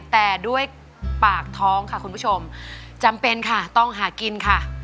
แต่ด้วยปากท้องค่ะคุณผู้ชมจำเป็นค่ะต้องหากินค่ะ